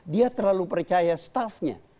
dia terlalu percaya stafnya